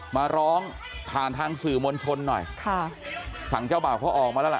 มาร้องผ่านทางสื่อมวลชนหน่อยค่ะฝั่งเจ้าบ่าวเขาออกมาแล้วล่ะ